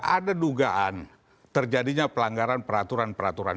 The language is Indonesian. ada dugaan terjadinya pelanggaran peraturan peraturan